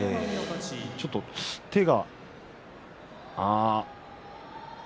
ちょっと手が。